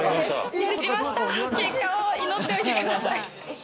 結果を祈っておいてください。